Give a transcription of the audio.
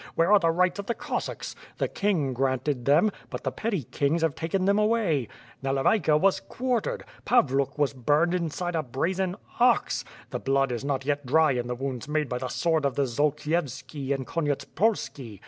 Where are the rights of the Cossacks? The king granted them; but the petty kings have taken them away. Nalevayka was quartered; Pavluk was burned inside a brazen ox; the blood is not yet dry in the wounds made by the sword of the Zolkievski and Konyet spolski!